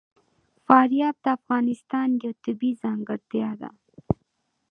فاریاب د افغانستان یوه طبیعي ځانګړتیا ده.